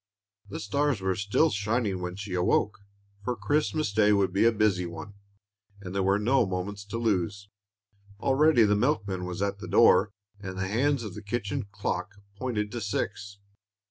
The stars were still shining when she awoke; for Christmas day would be a busy one, and there were no moments to lose. Already the milkman was at the door, and the hands of the kitchen clock pointed to six.